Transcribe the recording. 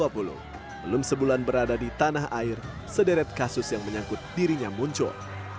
belum sebulan berada di tanah air sederet kasus yang menyangkut dirinya muncul